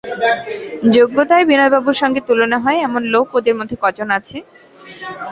যোগ্যতায় বিনয়বাবুর সঙ্গে তুলনা হয় এমন লোক ওঁদের মধ্যে কজন আছে!